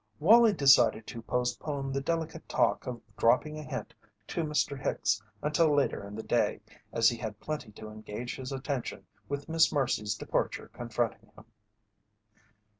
Wallie decided to postpone the delicate talk of dropping a hint to Mr. Hicks until later in the day, as he had plenty to engage his attention with Miss Mercy's departure confronting him.